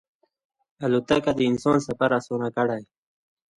الوتکه د انسان سفر اسانه کړی.